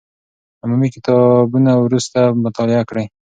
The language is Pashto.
عمومي کتابونه وروسته مطالعه کړئ.